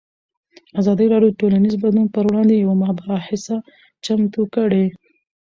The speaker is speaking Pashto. ازادي راډیو د ټولنیز بدلون پر وړاندې یوه مباحثه چمتو کړې.